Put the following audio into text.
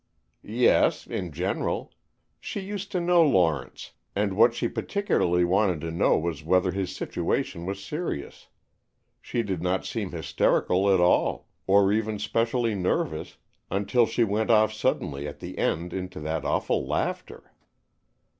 "Yes, in general. She used to know Lawrence, and what she particularly wanted to know was whether his situation was serious. She did not seem hysterical at all, or even specially nervous, until she went off suddenly at the end into that awful laughter."